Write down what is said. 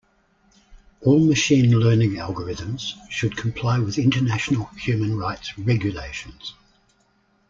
All machine learning algorithms should comply with international human rights regulations.